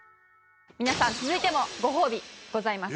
皆さん続いてもご褒美ございます。